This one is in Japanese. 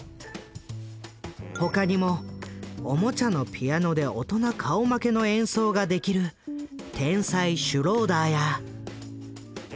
他にもおもちゃのピアノで大人顔負けの演奏ができる天才シュローダーや。